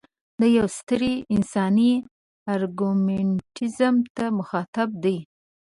د یوې سترې انساني ارګومنټیزم ته مخاطب دی.